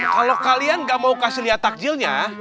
kalau kalian gak mau kasih lihat takjilnya